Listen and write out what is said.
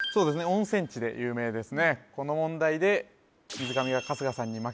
温泉地で有名ですね